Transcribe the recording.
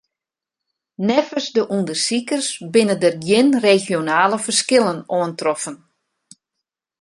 Neffens de ûndersikers binne der gjin regionale ferskillen oantroffen.